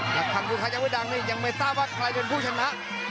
ทางลูกค้ายังไม่ดังนี่ยังไม่ทราบว่าใครเป็นผู้ชนะ